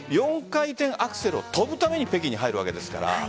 ４回転アクセルを跳ぶために北京に入るわけですから。